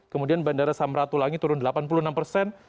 kemudian bandara samratulangi turun delapan puluh enam persen